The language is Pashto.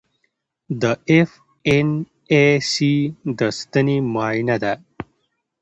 د ایف این ای سي د ستنې معاینه ده.